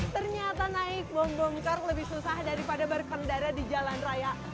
ternyata naik bom bom car lebih susah daripada berpengendara di jalan raya